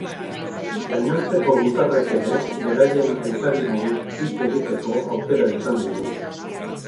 Gainontzeko gutarrek ere beraien aitari buruz hitz egiteko aukera izan dugu.